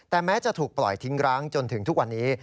แต่แม้จะถูกปล่อยทิ้งร้างจนถึงทุกวันนี้